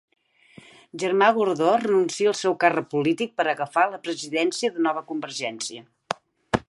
Germà Gordó renuncia al seu càrrec polític per agafar la presidència de Nova convergència